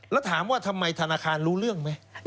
แล้วถามว่าทำไมธนาคารรู้เรื่องไหม